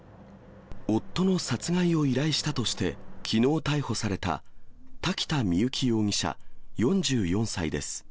夫の殺害を依頼したとして、きのう逮捕された、滝田深雪容疑者４４歳です。